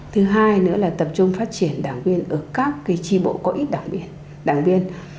thứ hai nữa là tập trung phát triển đảng viên ở các tri bộ có ít đảng viên